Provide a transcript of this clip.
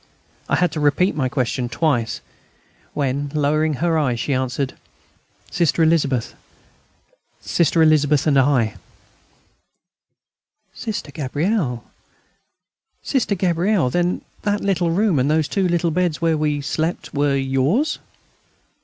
I had to repeat my question twice, when, lowering her eyes, she answered: "Sister Elizabeth Sister Elizabeth ... and I." "Sister Gabrielle, ... Sister Gabrielle, then that little room and those two little beds where we slept, were yours?"